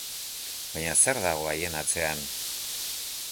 Baina zer dago haien atzean?